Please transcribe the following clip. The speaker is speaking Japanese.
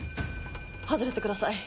外れてください。